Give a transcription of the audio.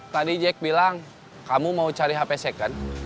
tadi jack bilang kamu mau cari hp second